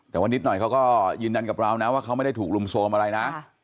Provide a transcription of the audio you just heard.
แต่ว่านิดหน่อยเขาก็ยืนยันกับเรานะว่าเขาไม่ได้ถูกรุมโทรมอะไรนะ